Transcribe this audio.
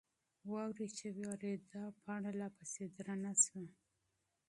واوره چې وورېده، پاڼه لا پسې درنه شوه.